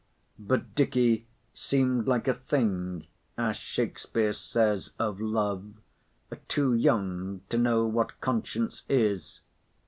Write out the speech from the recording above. —but Dicky seemed like a thing, as Shakspeare says of Love, too young to know what conscience is.